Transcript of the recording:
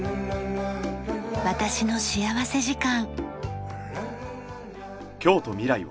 『私の幸福時間』。